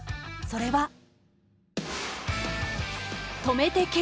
それは。